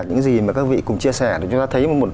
những gì mà các vị cùng chia sẻ để chúng ta thấy